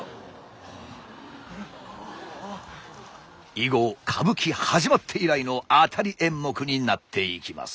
以後歌舞伎始まって以来の当たり演目になっていきます。